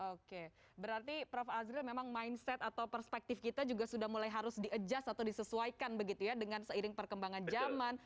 oke berarti prof azril memang mindset atau perspektif kita juga sudah mulai harus di adjust atau disesuaikan begitu ya dengan seiring perkembangan zaman